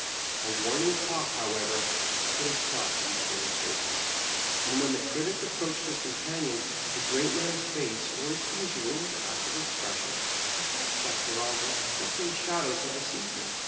A warning cough, however, put a stop to these demon Digitized by VjOOQIC MABKEEIM. 79 Btrations, and when the Critio approached his companion the great man^s face wore its usual impassive expression. Perhaps, after allf the flickering shadows had deceived him.